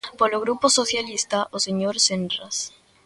Polo Grupo Socialista, o señor Senras.